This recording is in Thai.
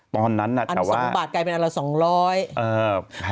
ปอนด์นั้นน่ะแต่ว่าอัน๒๐บาทกลายเป็นอันละ๒๐๐